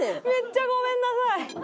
めっちゃごめんなさい！